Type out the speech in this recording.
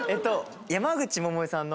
山口百恵さんの。